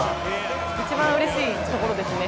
一番うれしいところですね。